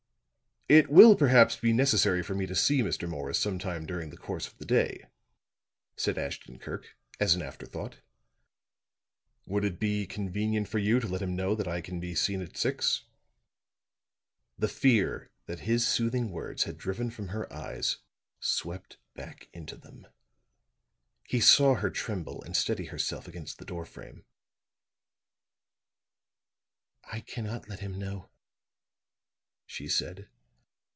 "It will, perhaps, be necessary for me to see Mr. Morris sometime during the course of the day," said Ashton Kirk, as an afterthought. "Would it be convenient for you to let him know that I can be seen at six?" The fear that his soothing words had driven from her eyes, swept back into them; he saw her tremble and steady herself against the door frame. "I cannot let him know," she said.